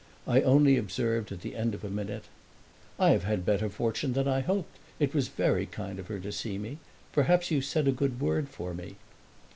I only observed at the end of a minute: "I have had better fortune than I hoped. It was very kind of her to see me. Perhaps you said a good word for me."